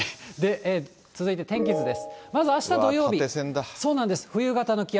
続いて天気図です。